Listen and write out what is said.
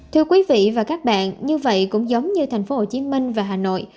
thưa quý vị và các bạn như vậy cũng giống như tp hcm và hà nội